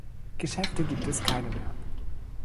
Geschäfte gibt es keine mehr.